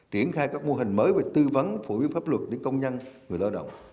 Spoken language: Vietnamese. triển khai các mô hình mới về tư vấn phổ biến pháp luật đến công nhân người lao động